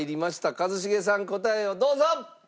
一茂さん答えをどうぞ！